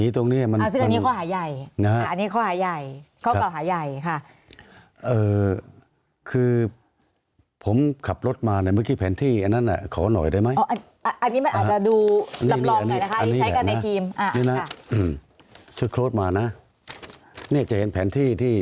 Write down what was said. ถูกกล่าวหาว่าชนแล้วหนี